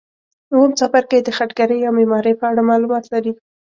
اووم څپرکی د خټګرۍ یا معمارۍ په اړه معلومات لري.